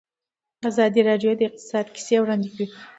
ازادي راډیو د اقتصاد کیسې وړاندې کړي.